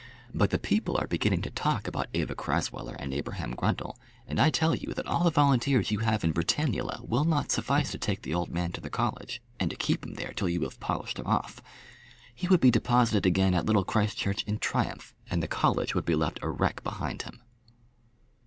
But the people are beginning to talk about Eva Crasweller and Abraham Grundle, and I tell you that all the volunteers you have in Britannula will not suffice to take the old man to the college, and to keep him there till you have polished him off. He would be deposited again at Little Christchurch in triumph, and the college would be left a wreck behind him."